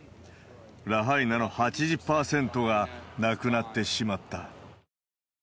ラハイナの８０％が亡くなってしまった。